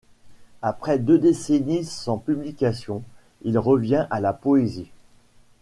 Après deux décennies sans publications, il revient à la poésie.